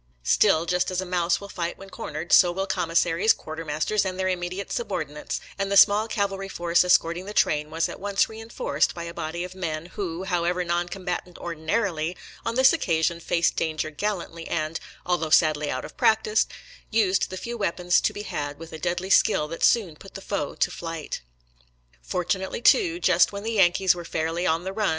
Still, just as a mouse will fight when cornered, so will commissaries, quartermasters, and their immediate subordi nates, and the small cavalry force escorting the train was at once reinforced by a body of men who, however non combatant ordinarily, on this occasion faced danger gallantly and — although sadly out of practice — ^used the few weapons to be had with a deadly skill that soon put the foe to fiight. Fortunately, too, just when the Yankees were fairly on the run.